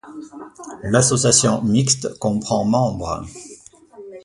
L'association mixte comprend membres.